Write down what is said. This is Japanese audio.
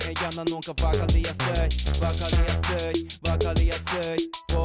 わかりやすいわかりやすい。